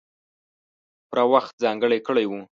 پوره وخت ځانګړی کړی وو.